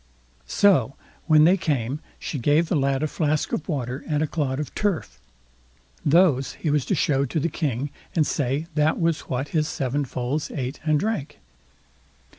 So, when they came, she gave the lad a flask of water and a clod of turf. Those he was to show to the King, and say that was what his seven foals ate and drank.